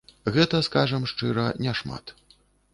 Гэта, скажам шчыра, няшмат.